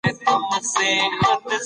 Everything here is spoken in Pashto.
خوب تللی دی.